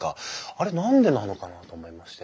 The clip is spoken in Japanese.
あれ何でなのかなと思いまして。